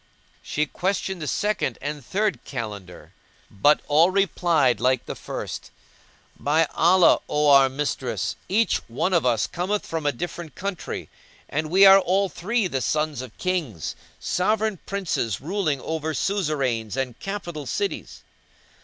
"[FN#188] She questioned the second and third Kalandar; but all replied like the first, "By Allah, O our mistress, each one of us cometh from a different country, and we are all three the sons of Kings, sovereign Princes ruling over suzerains and capital cities."